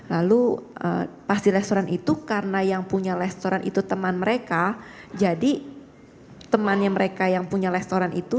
lalu pas di restoran itu karena yang punya restoran itu teman mereka jadi temannya mereka yang punya restoran itu